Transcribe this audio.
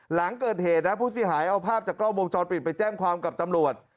หลังเกิดเหตุนะผู้เสียหายเอาภาพจากกล้องวงจรปิดไปแจ้งความกับตำรวจ